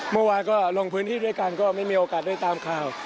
เมื่อวานก็ลงพื้นที่ด้วยกันก็ไม่มีโอกาสได้ตามข่าว